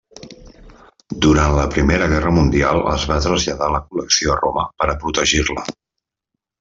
Durant la Primera Guerra Mundial, es va traslladar la col·lecció a Roma per a protegir-la.